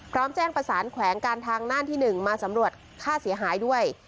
พร้อมแจ้งประสานแขวงการทางน่านที่๑มาสำรวจค่าเสียหายด้วย